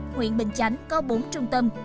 huyện bình chánh có bốn trung tâm